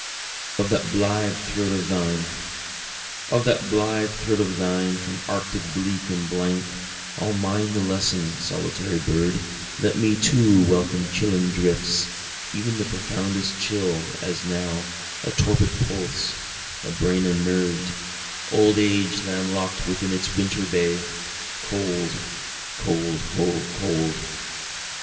Of That Blithe Throat of Thine Of that blithe throat of thine from arctic bleak and blank, I'll mind the lesson, solitary bird let me too welcome chilling drifts, E'en the profoundest chill, as now a torpid pulse, a brain unnerv'd, Old age land lock'd within its winter bay (cold, cold, O cold!)